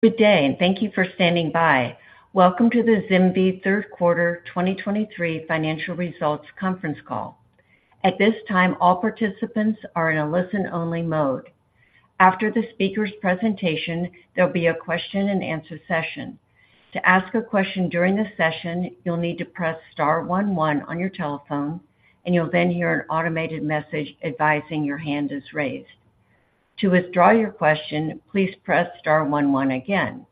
Good day, and thank you for standing by. Welcome to the ZimVie Third Quarter 2023 Financial Results conference call. At this time, all participants are in a listen-only mode. After the speaker's presentation, there'll be a question-and-answer session. To ask a question during the session, you'll need to press star one one on your telephone, and you'll then hear an automated message advising your hand is raised. To withdraw your question, please press star one one again.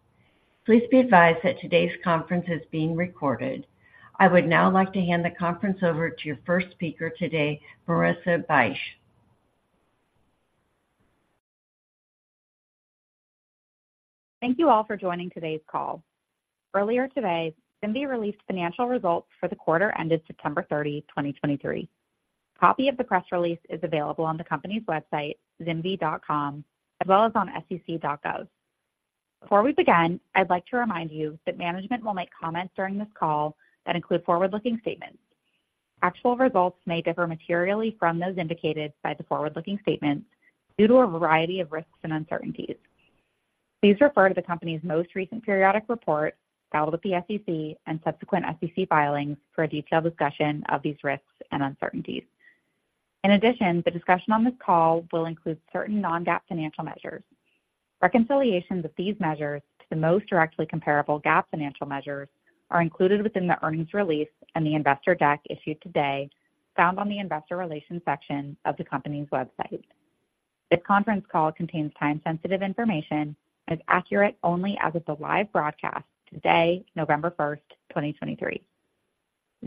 Please be advised that today's conference is being recorded. I would now like to hand the conference over to your first speaker today, Marissa Bych. Thank you all for joining today's call. Earlier today, ZimVie released financial results for the quarter ended September 30, 2023. A copy of the press release is available on the company's website, zimvie.com, as well as on sec.gov. Before we begin, I'd like to remind you that management will make comments during this call that include forward-looking statements. Actual results may differ materially from those indicated by the forward-looking statements due to a variety of risks and uncertainties. Please refer to the company's most recent periodic report filed with the SEC and subsequent SEC filings for a detailed discussion of these risks and uncertainties. In addition, the discussion on this call will include certain non-GAAP financial measures. Reconciliations of these measures to the most directly comparable GAAP financial measures are included within the earnings release and the investor deck issued today, found on the investor relations section of the company's website. This conference call contains time-sensitive information and is accurate only as of the live broadcast today, November 1, 2023.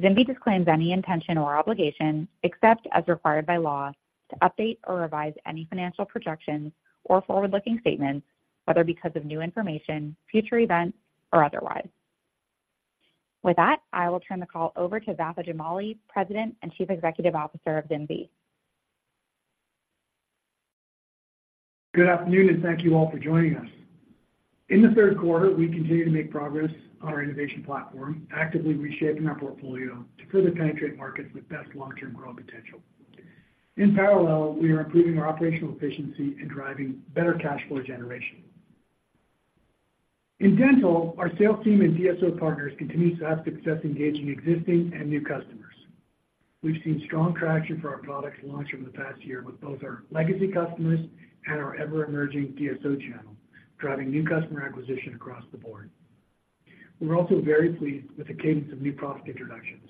ZimVie disclaims any intention or obligation, except as required by law, to update or revise any financial projections or forward-looking statements, whether because of new information, future events, or otherwise. With that, I will turn the call over to Vafa Jamali, President and Chief Executive Officer of ZimVie. Good afternoon, and thank you all for joining us. In the third quarter, we continued to make progress on our innovation platform, actively reshaping our portfolio to further penetrate markets with best long-term growth potential. In parallel, we are improving our operational efficiency and driving better cash flow generation. In dental, our sales team and DSO partners continue to have success engaging existing and new customers. We've seen strong traction for our products launched over the past year with both our legacy customers and our ever-emerging DSO channel, driving new customer acquisition across the board. We're also very pleased with the cadence of new product introductions,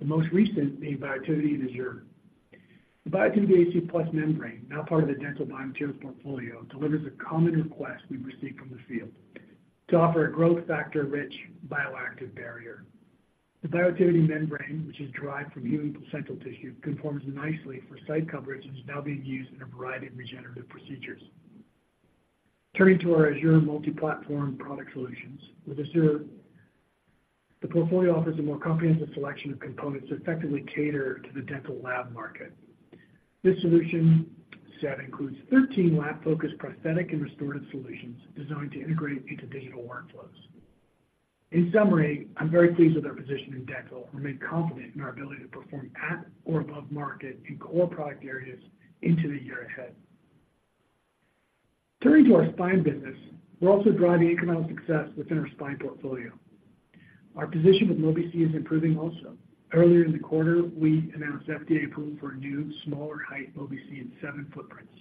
the most recent being Biotivity and Azure. The Biotivity A/C Plus membrane, now part of the dental biomaterials portfolio, delivers a common request we've received from the field to offer a growth factor-rich bioactive barrier. The Biotivity membrane, which is derived from human placental tissue, conforms nicely for site coverage and is now being used in a variety of regenerative procedures. Turning to our Azure Multi-Platform Product Solutions. With Azure, the portfolio offers a more comprehensive selection of components to effectively cater to the dental lab market. This solution set includes 13 lab-focused prosthetic and restorative solutions designed to integrate into digital workflows. In summary, I'm very pleased with our position in dental and remain confident in our ability to perform at or above market in core product areas into the year ahead. Turning to our spine business, we're also driving incremental success within our spine portfolio. Our position with Mobi-C is improving also. Earlier in the quarter, we announced FDA approval for a new, smaller height Mobi-C in seven footprints.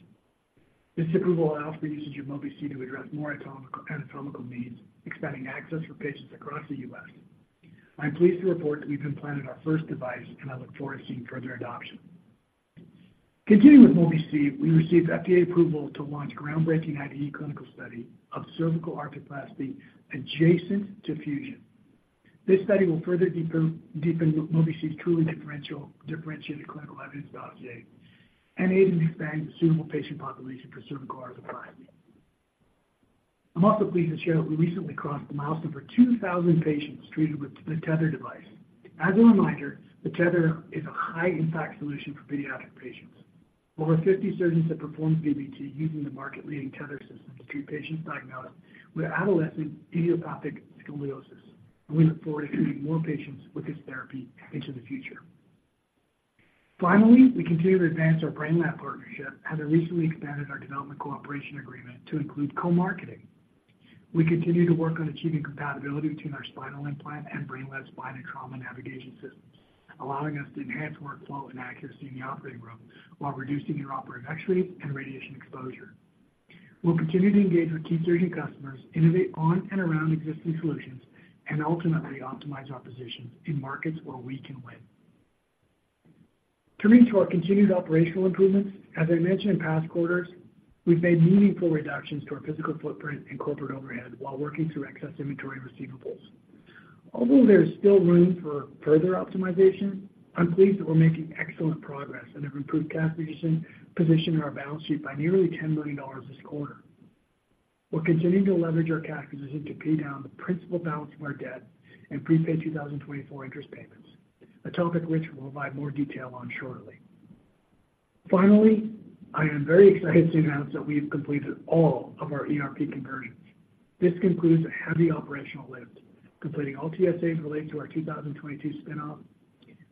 This approval allows the usage of Mobi-C to address more anatomical needs, expanding access for patients across the U.S. I'm pleased to report that we've implanted our first device, and I look forward to seeing further adoption. Continuing with Mobi-C, we received FDA approval to launch groundbreaking IDE clinical study of cervical arthroplasty adjacent to fusion. This study will further deepen Mobi-C's truly differentiated clinical evidence dossier and aid in expanding the suitable patient population for cervical arthroplasty. I'm also pleased to share that we recently crossed the milestone for 2,000 patients treated with the Tether device. As a reminder, the Tether is a high-impact solution for pediatric patients. Over 50 surgeons have performed VBT using the market-leading Tether system to treat patients diagnosed with adolescent idiopathic scoliosis, and we look forward to treating more patients with this therapy into the future. Finally, we continue to advance our Brainlab partnership, as I recently expanded our development cooperation agreement to include co-marketing. We continue to work on achieving compatibility between our spinal implant and Brainlab spine and trauma navigation systems, allowing us to enhance workflow and accuracy in the operating room while reducing intraoperative X-rays and radiation exposure. We'll continue to engage with key surgeon customers, innovate on and around existing solutions, and ultimately optimize our positions in markets where we can win. Turning to our continued operational improvements, as I mentioned in past quarters, we've made meaningful reductions to our physical footprint and corporate overhead while working through excess inventory and receivables. Although there is still room for further optimization, I'm pleased that we're making excellent progress and have improved cash position, position on our balance sheet by nearly $10 million this quarter. We're continuing to leverage our cash position to pay down the principal balance of our debt and prepay 2024 interest payments, a topic which we'll provide more detail on shortly. Finally, I am very excited to announce that we've completed all of our ERP conversions. This concludes a heavy operational lift, completing all TSAs related to our 2022 spin-off,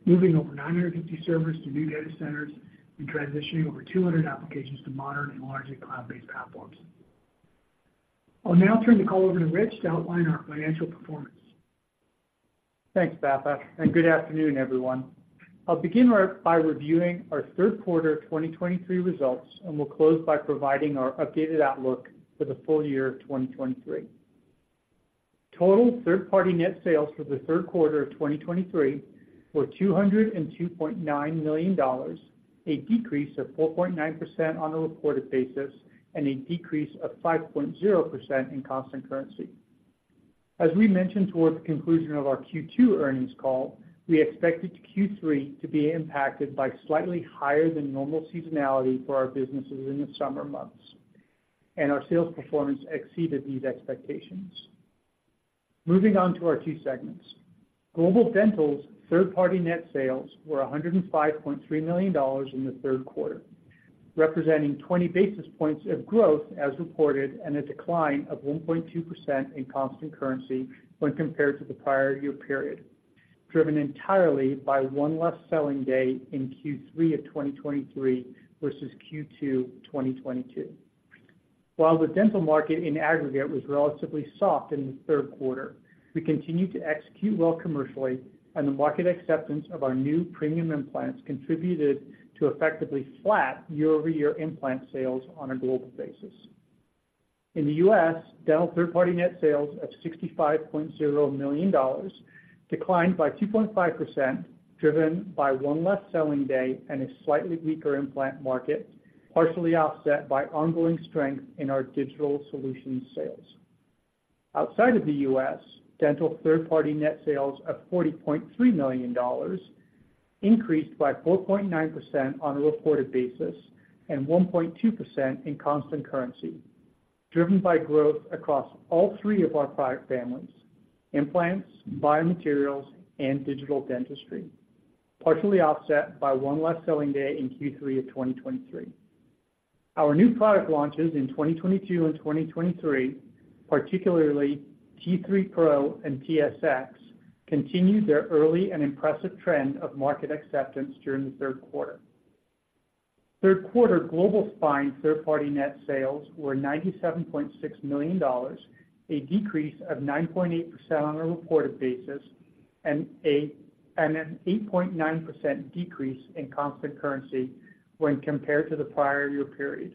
moving over 950 servers to new data centers and transitioning over 200 applications to modern and largely cloud-based platforms. I'll now turn the call over to Rich to outline our financial performance. Thanks, Vafa, and good afternoon, everyone. I'll begin by reviewing our third quarter of 2023 results, and we'll close by providing our updated outlook for the full year of 2023. Total third-party net sales for the third quarter of 2023 were $202.9 million, a decrease of 4.9% on a reported basis and a decrease of 5.0% in constant currency. As we mentioned towards the conclusion of our Q2 earnings call, we expected Q3 to be impacted by slightly higher than normal seasonality for our businesses in the summer months, and our sales performance exceeded these expectations. Moving on to our key segments. Global Dental's third-party net sales were $105.3 million in the third quarter, representing 20 basis points of growth as reported, and a decline of 1.2% in constant currency when compared to the prior year period, driven entirely by one less selling day in Q3 of 2023 versus Q2 2022. While the dental market in aggregate was relatively soft in the third quarter, we continued to execute well commercially, and the market acceptance of our new premium implants contributed to effectively flat year-over-year implant sales on a global basis. In the US, dental third-party net sales of $65.0 million declined by 2.5%, driven by one less selling day and a slightly weaker implant market, partially offset by ongoing strength in our digital solutions sales. Outside of the U.S., dental third-party net sales of $40.3 million increased by 4.9% on a reported basis and 1.2% in constant currency, driven by growth across all three of our product families, implants, biomaterials, and digital dentistry, partially offset by one less selling day in Q3 of 2023. Our new product launches in 2022 and 2023, particularly T3 PRO and TSX, continued their early and impressive trend of market acceptance during the third quarter. Third quarter Global Spine third-party net sales were $97.6 million, a decrease of 9.8% on a reported basis and an 8.9% decrease in constant currency when compared to the prior year period.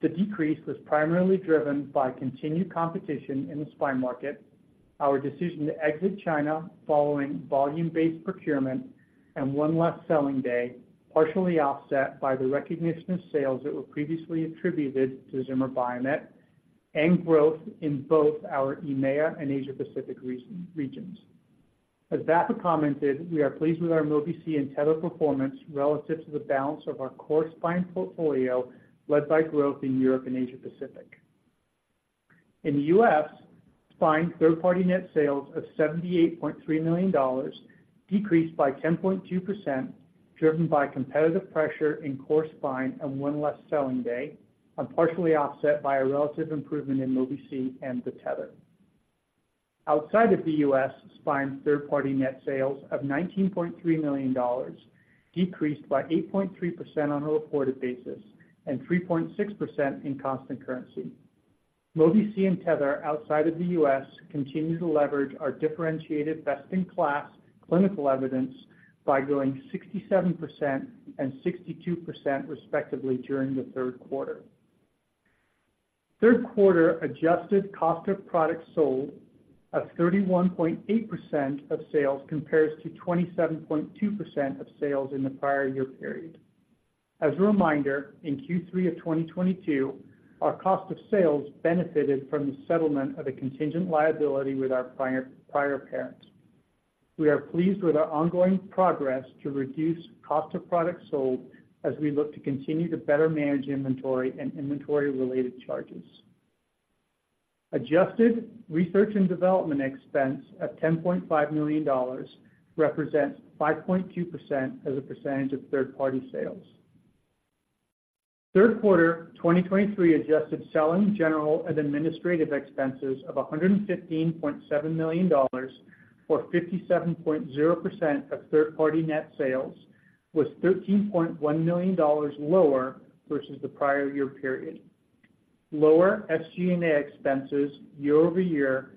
The decrease was primarily driven by continued competition in the spine market, our decision to exit China following volume-based procurement, and one less selling day, partially offset by the recognition of sales that were previously attributed to Zimmer Biomet and growth in both our EMEA and Asia Pacific region, regions. As Vafa commented, we are pleased with our Mobi-C and Tether performance relative to the balance of our core spine portfolio, led by growth in Europe and Asia Pacific. In the U.S., spine third-party net sales of $78.3 million decreased by 10.2%, driven by competitive pressure in core spine and one less selling day, and partially offset by a relative improvement in Mobi-C and the Tether. Outside of the U.S., Spine third-party net sales of $19.3 million decreased by 8.3% on a reported basis and 3.6% in constant currency. Mobi-C and Tether outside of the U.S. continue to leverage our differentiated best-in-class clinical evidence by growing 67% and 62%, respectively, during the third quarter. Third quarter adjusted cost of products sold of 31.8% of sales compares to 27.2% of sales in the prior year period. As a reminder, in Q3 of 2022, our cost of sales benefited from the settlement of a contingent liability with our prior, prior parent. We are pleased with our ongoing progress to reduce cost of product sold as we look to continue to better manage inventory and inventory-related charges. Adjusted research and development expense of $10.5 million represents 5.2% as a percentage of third-party sales. Third quarter 2023 adjusted selling, general, and administrative expenses of $115.7 million, or 57.0% of third-party net sales, was $13.1 million lower versus the prior year period. Lower SG&A expenses year-over-year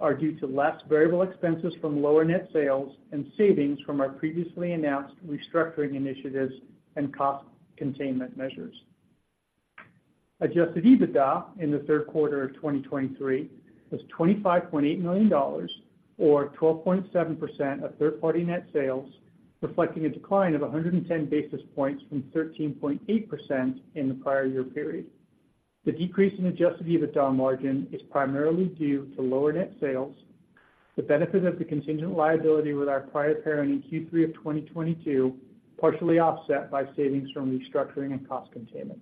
are due to less variable expenses from lower net sales and savings from our previously announced restructuring initiatives and cost containment measures. Adjusted EBITDA in the third quarter of 2023 was $25.8 million or 12.7% of third-party net sales, reflecting a decline of 110 basis points from 13.8% in the prior year period. The decrease in adjusted EBITDA margin is primarily due to lower net sales, the benefit of the contingent liability with our prior parent in Q3 of 2022, partially offset by savings from restructuring and cost containment.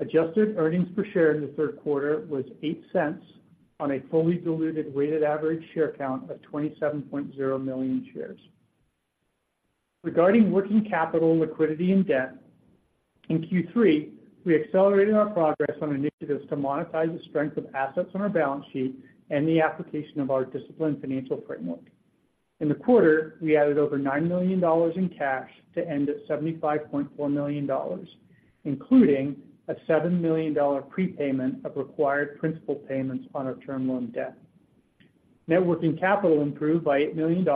Adjusted earnings per share in the third quarter was $0.08 on a fully diluted weighted average share count of 27.0 million shares. Regarding working capital, liquidity, and debt, in Q3, we accelerated our progress on initiatives to monetize the strength of assets on our balance sheet and the application of our disciplined financial framework. In the quarter, we added over $9 million in cash to end at $75.4 million, including a $7 million prepayment of required principal payments on our term loan debt. Net working capital improved by $8 million,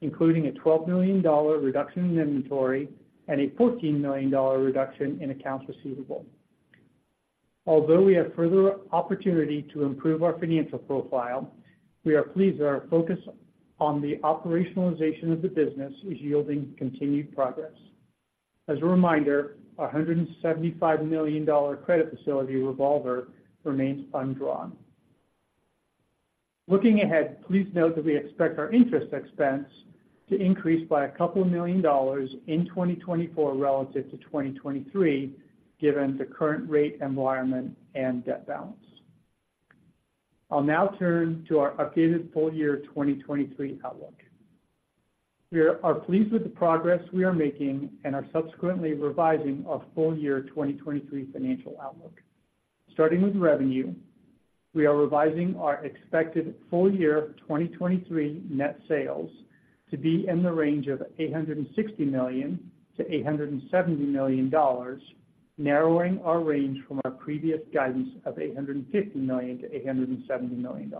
including a $12 million reduction in inventory and a $14 million reduction in accounts receivable. Although we have further opportunity to improve our financial profile, we are pleased that our focus on the operationalization of the business is yielding continued progress. As a reminder, a $175 million credit facility revolver remains undrawn. Looking ahead, please note that we expect our interest expense to increase by a couple of million dollars in 2024 relative to 2023, given the current rate environment and debt balance. I'll now turn to our updated full year 2023 outlook. We are pleased with the progress we are making and are subsequently revising our full year 2023 financial outlook. Starting with revenue, we are revising our expected full-year 2023 net sales to be in the range of $860 million-$870 million, narrowing our range from our previous guidance of $850 million-$870 million.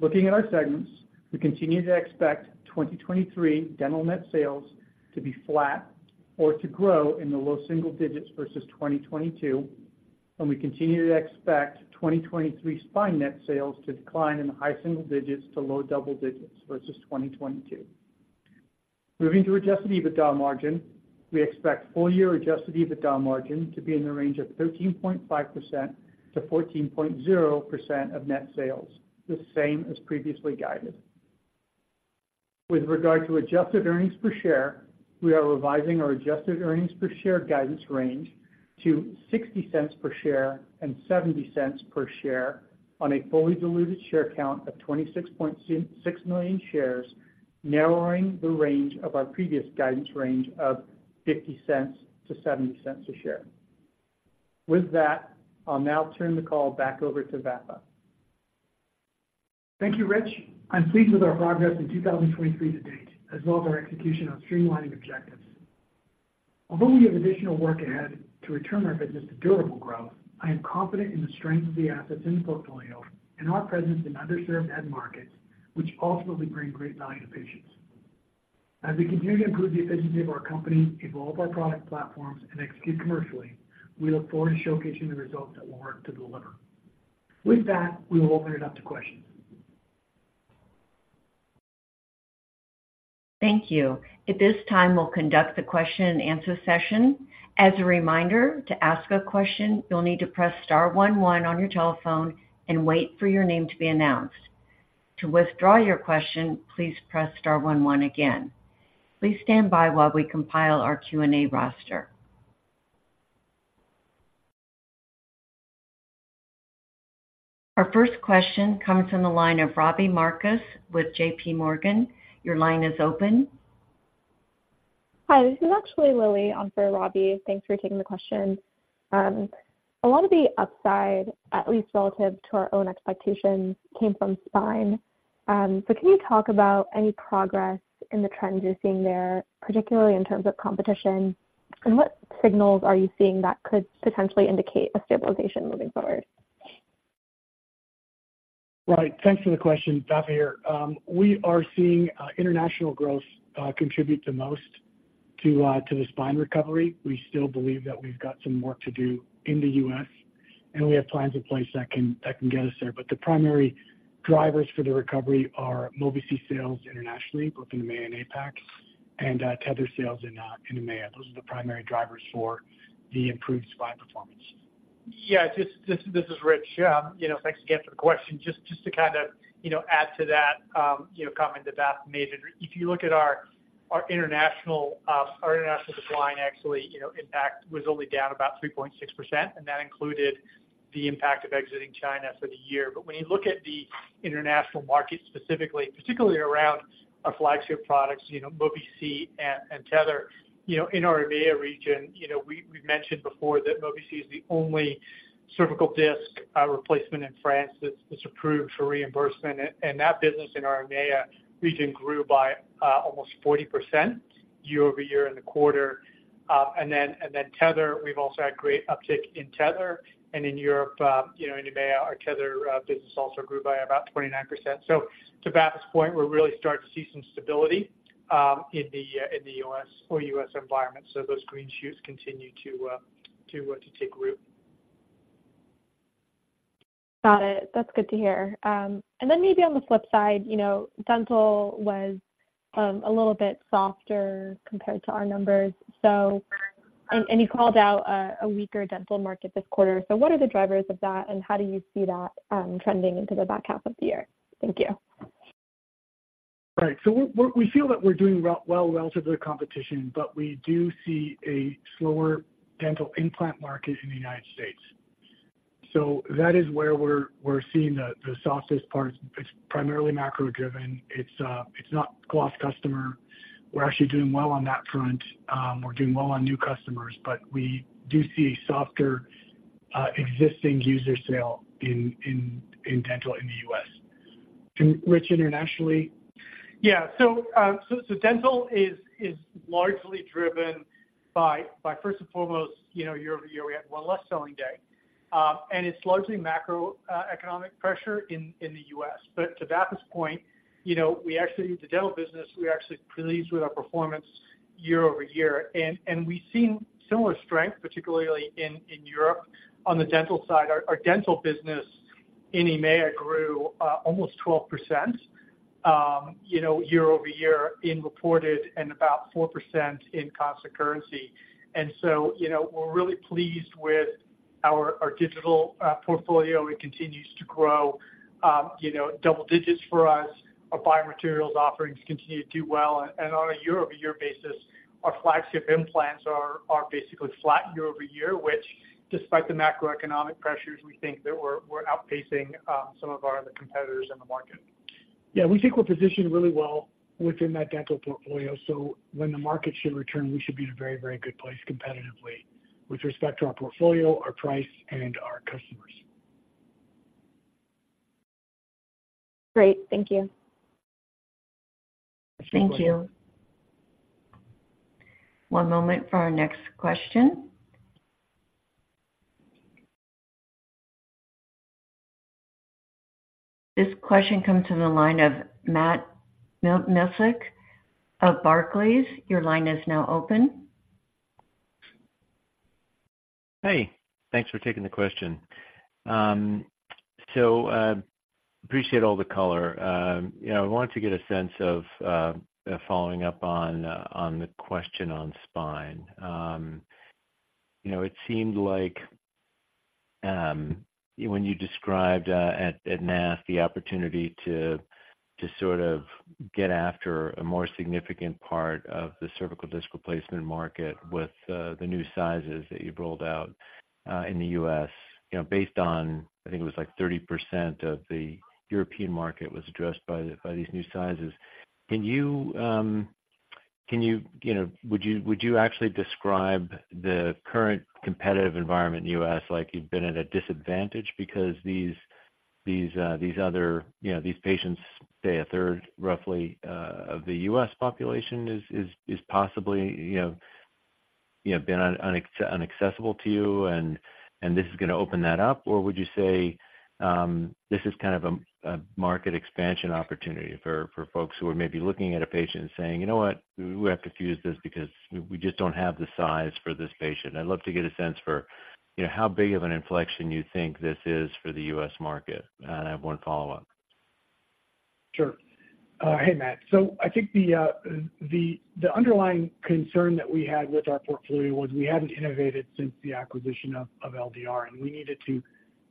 Looking at our segments, we continue to expect 2023 dental net sales to be flat or to grow in the low single digits versus 2022, and we continue to expect 2023 spine net sales to decline in the high single digits to low double digits versus 2022. Moving to Adjusted EBITDA margin, we expect full-year Adjusted EBITDA margin to be in the range of 13.5%-14.0% of net sales, the same as previously guided. With regard to adjusted earnings per share, we are revising our adjusted earnings per share guidance range to $0.60 per share and $0.70 per share on a fully diluted share count of 26.6 million shares, narrowing the range of our previous guidance range of $0.50-$0.70 per share. With that, I'll now turn the call back over to Vafa. Thank you, Rich. I'm pleased with our progress in 2023 to date, as well as our execution on streamlining objectives. Although we have additional work ahead to return our business to durable growth, I am confident in the strength of the assets in the portfolio and our presence in underserved end markets, which ultimately bring great value to patients. As we continue to improve the efficiency of our company, evolve our product platforms, and execute commercially, we look forward to showcasing the results that we're working to deliver. With that, we will open it up to questions. Thank you. At this time, we'll conduct the question and answer session. As a reminder, to ask a question, you'll need to press star one one on your telephone and wait for your name to be announced. To withdraw your question, please press star one one again. Please stand by while we compile our Q&A roster. Our first question comes from the line of Robbie Marcus with JPMorgan. Your line is open. Hi, this is actually Lily on for Robbie. Thanks for taking the question. A lot of the upside, at least relative to our own expectations, came from spine. So can you talk about any progress in the trends you're seeing there, particularly in terms of competition? And what signals are you seeing that could potentially indicate a stabilization moving forward? Right. Thanks for the question. Vafa here. We are seeing international growth contribute the most to the spine recovery. We still believe that we've got some work to do in the U.S., and we have plans in place that can get us there. But the primary drivers for the recovery are Mobi-C sales internationally, both in EMEA and APAC, and Tether sales in EMEA. Those are the primary drivers for the improved spine performance. Yeah, this is Rich. You know, thanks again for the question. Just to kind of, you know, add to that, you know, comment that Vafa made. If you look at our international decline, actually, you know, impact was only down about 3.6%, and that included the impact of exiting China for the year. But when you look at the international market specifically, particularly around our flagship products, you know, Mobi-C and Tether, you know, in our EMEA region, you know, we've mentioned before that Mobi-C is the only cervical disc replacement in France that's approved for reimbursement. And that business in our EMEA region grew by almost 40% year over year in the quarter. And then Tether, we've also had great uptick in Tether and in Europe, you know, in EMEA, our Tether business also grew by about 29%. So to Vafa's point, we're really starting to see some stability in the U.S. or U.S. environment. So those green shoots continue to take root. Got it. That's good to hear. And then maybe on the flip side, you know, dental was a little bit softer compared to our numbers. So, and you called out a weaker dental market this quarter. So what are the drivers of that, and how do you see that trending into the back half of the year? Thank you. Right. So we're we feel that we're doing well relative to the competition, but we do see a slower dental implant market in the United States. So that is where we're seeing the softest part. It's primarily macro-driven. It's not lost customer. We're actually doing well on that front. We're doing well on new customers, but we do see a softer existing user sale in dental in the U.S. And Rich, internationally? Yeah. So dental is largely driven by first and foremost, you know, year-over-year, we had one less selling day. And it's largely macroeconomic pressure in the U.S. But to Vafa's point, you know, we actually, the dental business, we're actually pleased with our performance year-over-year, and we've seen similar strength, particularly in Europe. On the dental side, our dental business in EMEA grew almost 12%, you know, year-over-year in reported and about 4% in constant currency. And so, you know, we're really pleased with our digital portfolio. It continues to grow, you know, double digits for us. Our biomaterials offerings continue to do well. On a year-over-year basis, our flagship implants are basically flat year-over-year, which, despite the macroeconomic pressures, we think that we're outpacing some of our other competitors in the market. Yeah, we think we're positioned really well within that dental portfolio. So when the market should return, we should be in a very, very good place competitively with respect to our portfolio, our price, and our customers. Great. Thank you. Thank you. One moment for our next question. This question comes from the line of Matt Miksic of Barclays. Your line is now open. Hey, thanks for taking the question. So, appreciate all the color. You know, I wanted to get a sense of, following up on the question on spine. You know, it seemed like, when you described, at NASS the opportunity to sort of get after a more significant part of the cervical disc replacement market with the new sizes that you've rolled out, in the U.S., you know, based on, I think it was like 30% of the European market was addressed by these new sizes. Can you, you know, would you actually describe the current competitive environment in the U.S. like you've been at a disadvantage because these other, you know, these patients, say, a third, roughly, of the U.S. population is possibly, you know, been inaccessible to you, and this is going to open that up? Or would you say this is kind of a market expansion opportunity for folks who are maybe looking at a patient and saying, "You know what? We have to use this because we just don't have the size for this patient." I'd love to get a sense for, you know, how big of an inflection you think this is for the U.S. market. And I have one follow-up. Sure. Hey, Matt. So I think the underlying concern that we had with our portfolio was we hadn't innovated since the acquisition of LDR, and we needed to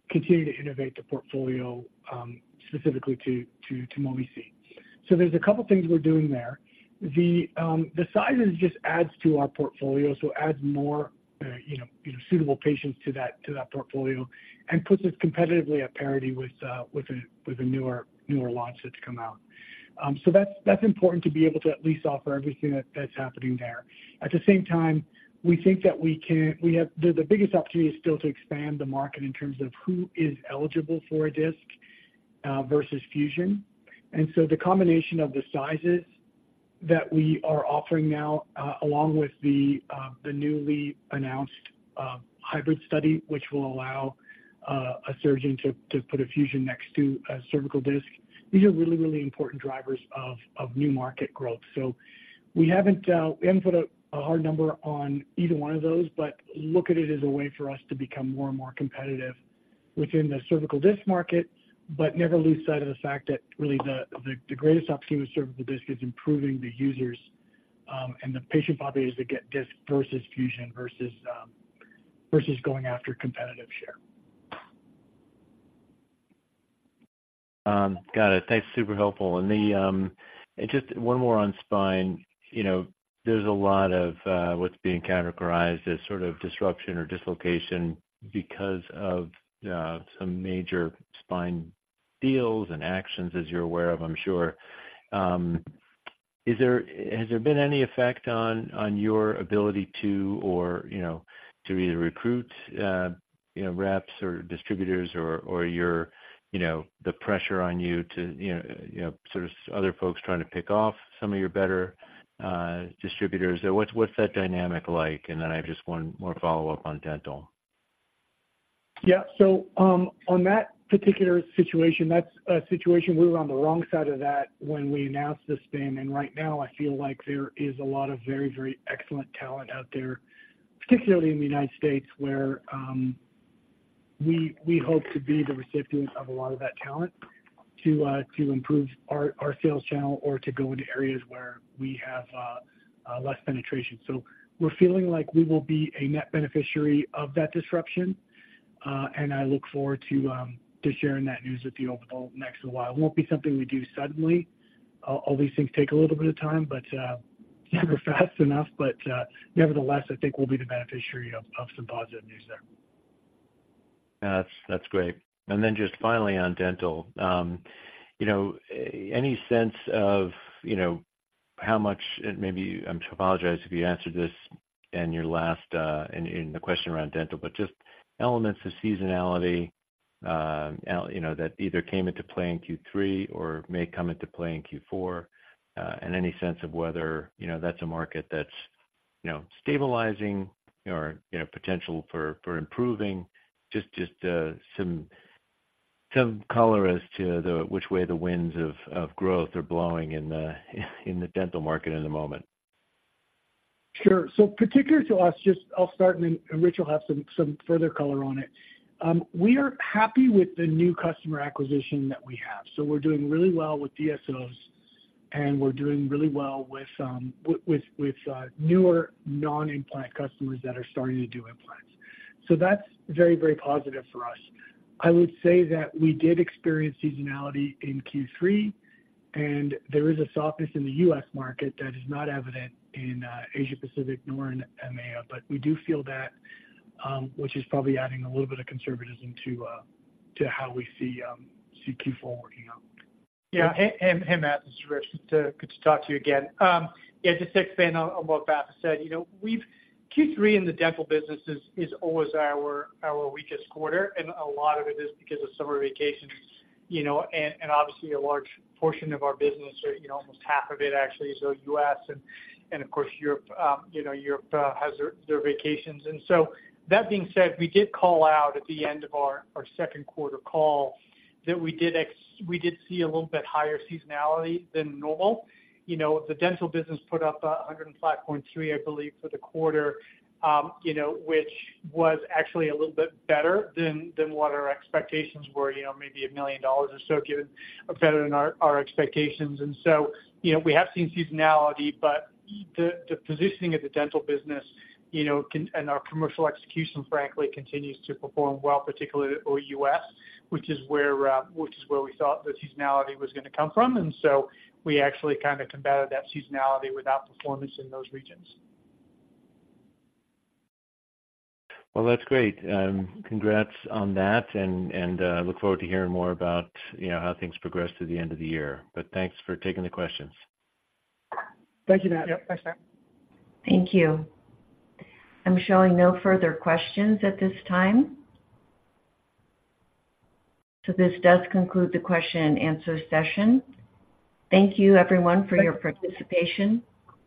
continue to innovate the portfolio, specifically to Mobi-C. So there's a couple of things we're doing there. The sizes just adds to our portfolio, so adds more, you know, suitable patients to that portfolio and puts us competitively at parity with the newer launches to come out. So that's important to be able to at least offer everything that's happening there. At the same time, we think that the biggest opportunity is still to expand the market in terms of who is eligible for a disc versus fusion. And so the combination of the sizes that we are offering now, along with the newly announced hybrid study, which will allow a surgeon to put a fusion next to a cervical disc, these are really, really important drivers of new market growth. So we haven't put a hard number on either one of those, but look at it as a way for us to become more and more competitive within the cervical disc market, but never lose sight of the fact that really the greatest opportunity with cervical disc is improving the users and the patient populations that get disc versus fusion versus going after competitive share. Got it. Thanks. Super helpful. And just one more on spine. You know, there's a lot of what's being characterized as sort of disruption or dislocation because of some major spine deals and actions, as you're aware of, I'm sure. Is there— Has there been any effect on your ability to, or, you know, to either recruit, you know, reps or distributors or your, you know, the pressure on you to, you know, you know, sort of other folks trying to pick off some of your better distributors? What's that dynamic like? And then I have just one more follow-up on dental. Yeah. So, on that particular situation, that's a situation we were on the wrong side of that when we announced the spin. And right now, I feel like there is a lot of very, very excellent talent out there, particularly in the United States, where we hope to be the recipient of a lot of that talent to improve our sales channel or to go into areas where we have less penetration. So we're feeling like we will be a net beneficiary of that disruption, and I look forward to sharing that news with you over the next little while. It won't be something we do suddenly. All these things take a little bit of time, but never fast enough, but nevertheless, I think we'll be the beneficiary of some positive news there. That's great. And then just finally, on dental, you know, any sense of, you know, how much, and maybe I apologize if you answered this in your last, in the question around dental, but just elements of seasonality, you know, that either came into play in Q3 or may come into play in Q4. And any sense of whether, you know, that's a market that's, you know, stabilizing or, you know, potential for improving? Just some color as to which way the winds of growth are blowing in the dental market in the moment. Sure. So particular to us, just I'll start, and then Rich will have some further color on it. We are happy with the new customer acquisition that we have. So we're doing really well with DSOs, and we're doing really well with newer non-implant customers that are starting to do implants. So that's very, very positive for us. I would say that we did experience seasonality in Q3, and there is a softness in the U.S. market that is not evident in Asia Pacific nor in EMEA. But we do feel that which is probably adding a little bit of conservatism to how we see Q4 working out. Yeah. Hey, hey, Matt, this is Rich. It's good to talk to you again. Yeah, just expanding on what Matt said, you know, we've -- Q3 in the dental business is always our weakest quarter, and a lot of it is because of summer vacations, you know, and obviously a large portion of our business or, you know, almost half of it actually is US. And of course, Europe, you know, Europe has their vacations. And so that being said, we did call out at the end of our second quarter call that we did see a little bit higher seasonality than normal. You know, the dental business put up [105.3%], I believe, for the quarter, you know, which was actually a little bit better than what our expectations were, you know, maybe $1 million dollars or so, given better than our expectations. And so, you know, we have seen seasonality, but the positioning of the dental business, you know, can and our commercial execution, frankly, continues to perform well, particularly U.S., which is where we thought the seasonality was gonna come from. And so we actually kind of combated that seasonality with our performance in those regions. Well, that's great, congrats on that, and look forward to hearing more about, you know, how things progress through the end of the year. But thanks for taking the questions. Thank you, Matt. Yep. Thanks, Matt. Thank you. I'm showing no further questions at this time. So this does conclude the question and answer session. Thank you everyone for your participation.